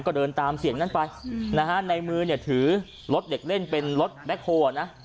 ก็เดินตามเสียงนั้นไปนะฮะในมือเนี่ยถือรถเด็กเล่นเป็นรถแบ็คโฮลอ่ะนะ